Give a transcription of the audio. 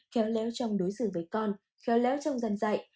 khéo léo trong đối xử với con khéo léo trong dân dạy